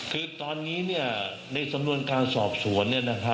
คือตอนนี้ในสำนวนการสอบสวน